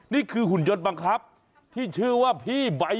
นี่คือขุนยนต์บังคับที่ชื่อว่าพี่ใบมอน